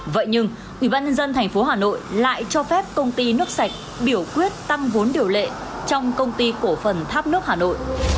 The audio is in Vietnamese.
vậy nhưng ủy ban nhân dân tp hà nội lại cho phép công ty nước sạch biểu quyết tăng vốn điều lệ trong công ty cổ phần tháp nước hà nội